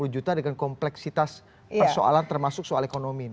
dua ratus lima puluh juta dengan kompleksitas persoalan termasuk soal ekonomi